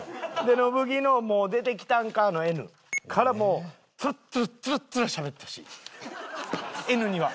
乃ブ木の「もう出てきたんか」のＮからもうつらっつらつらっつらしゃべってほしいＮには。